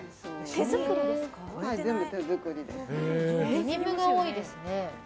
デニムが多いですね。